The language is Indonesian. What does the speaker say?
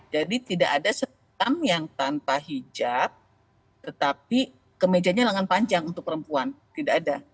jadi tidak ada setelah yang tanpa hijab tetapi kemejanya lengan panjang untuk perempuan tidak ada